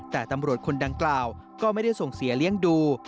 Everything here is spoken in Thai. แต่ตำรวจคนดังกล่าวก็ไม่ได้ส่งเสียเลี้ยงดู